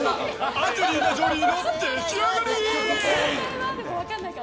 アンジェリーナ・ジョリーの出来上がり！